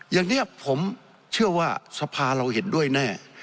อย่างนี้ผมเชื่อว่าสภาเราเห็นด้วยแน่